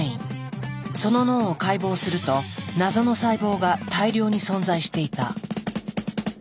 その脳を解剖すると謎の細胞が大量に存在していた。